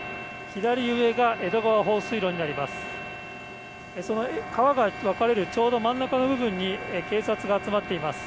左上が江戸川放水路になります。